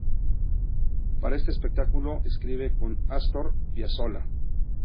Para este espectáculo escribe con Astor Piazzolla.